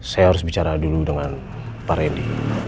saya harus bicara dulu dengan pak randy